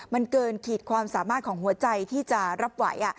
มันเกินขีดความสามารถของหัวใจที่จะรับไหว